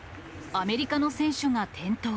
アメリカの選手が転倒。